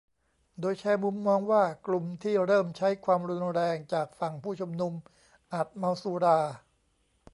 โดยแชร์มุมมองว่ากลุ่มที่เริ่มใช้ความรุนแรงจากฝั่งผู้ชุมนุมอาจเมาสุรา